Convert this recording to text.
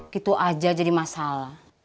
gitu aja jadi masalah